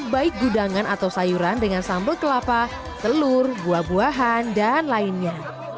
baik gudangan atau sayuran dengan sambal kelapa telur buah buahan dan lainnya